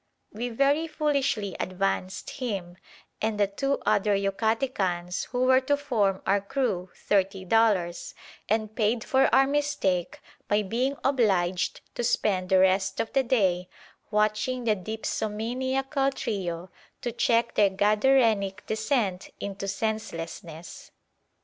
We very foolishly advanced him and the two other Yucatecans who were to form our crew thirty dollars, and paid for our mistake by being obliged to spend the rest of the day watching the dipsomaniacal trio to check their Gadarenic descent into senselessness.